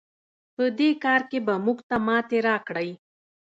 په دې کار کې به موږ ته ماتې راکړئ.